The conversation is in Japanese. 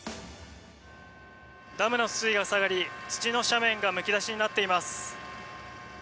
ダムの水位が下がり土の斜面がむき出しになっています。